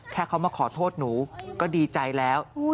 แค่เขามาขอโทษหนูก็ดีใจแล้ว